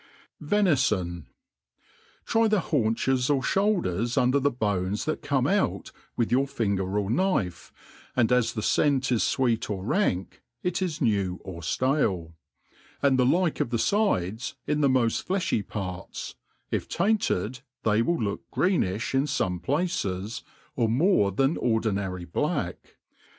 Venifon* TRY the hautiches or (houldefs under the bones diat come <mt, with your finger or knife, and as the fcent is fweet or rank*, it is new or ftale ; and the like of the fides in the moft flefliy intrts : ^f tainted, they will look greenilh in fome places, or more than ordinary Mack.